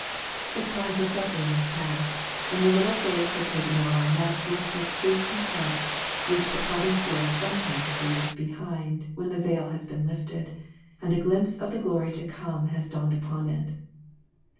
The time for suffering was past, and the little face had taken on that look of sweet content which the parting soul sometimes leaves behind when the veil has been lifted, and a glimpse of the glory to come has dawned upon it.